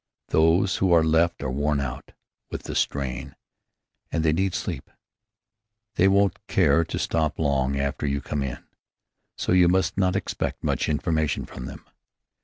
Those who are left are worn out with the strain, and they need sleep. They won't care to stop long after you come in, so you must not expect much information from them.